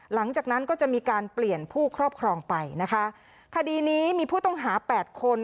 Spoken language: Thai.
หลังจากนั้นก็จะมีการเปลี่ยนผู้ครอบครองไปนะคะคดีนี้มีผู้ต้องหาแปดคน